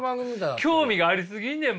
興味がありすぎんねん